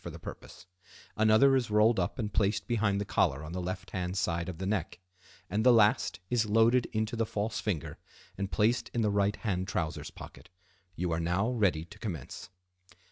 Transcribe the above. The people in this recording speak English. for the purpose; another is rolled up and placed behind the collar on the left hand side of the neck; and the last is loaded into the false finger and placed in the right hand trousers pocket. You are now ready to commence.